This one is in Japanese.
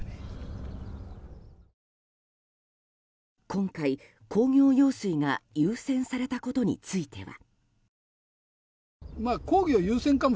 今回、工業用水が優先されたことについては。